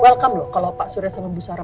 welcome loh kalau pak suri busara